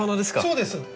そうです。